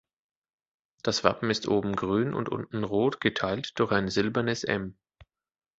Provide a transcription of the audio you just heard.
Das Wappen ist oben grün und unten rot, geteilt durch ein silbernes „M“.